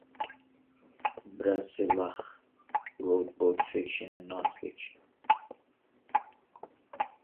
Brasillach wrote both fiction and non-fiction.